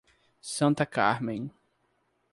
Santa Carmem